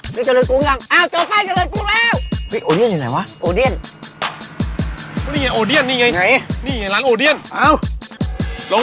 กระหน่งเจริญพรุ่งเอาอยู่ค่อนข้างเจริญพรุ่ง